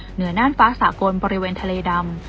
เหนือน่านฟ้าสากลบริเวณทะเลดำ